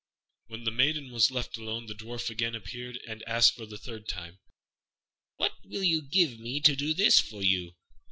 When the maiden was left alone, the Dwarf again appeared and asked, for the third time, "What will you give me to do this for you?"